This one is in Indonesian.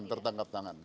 ya tertangkap tangan